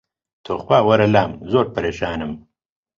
توخوا وەرە لام زۆر پەرێشانم